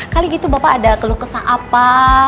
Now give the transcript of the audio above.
kali gitu bapak ada keluh kesah apa